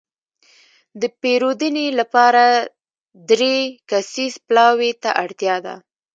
د پېرودنې لپاره دری کسیز پلاوي ته اړتياده.